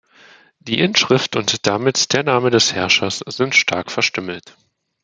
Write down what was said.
Die Inschrift und damit der Name des Herrschers sind stark verstümmelt.